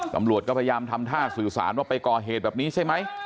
ตำรวจก็พยายามทำท่าสื่อสารว่าไปก่อเหตุแบบนี้ใช่ไหม